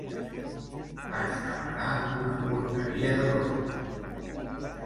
Haig d'amagar una porteria de rugbi.